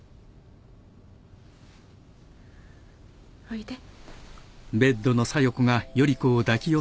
おいで